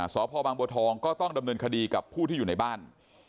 สพบางบัวทองก็ต้องดำเนินคดีกับผู้ที่อยู่ในบ้าน